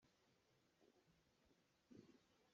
A nu nih ngakchia kha a pom.